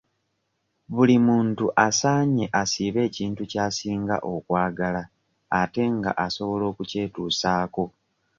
Buli omu asaanye asiibe ekintu ky'asinga okwagala ate nga asobola okukyetuusaako.